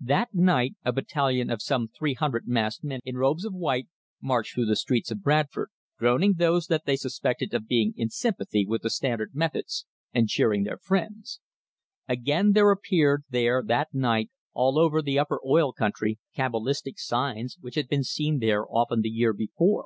That night a battalion of some 300 masked men in robes of white marched through the streets of Bradford, groan ing those that they suspected of being in sympathy with the Standard methods, and cheering their friends. Again there appeared there, that night, all over the upper oil country, cabalistic signs, which had been seen there often the year before.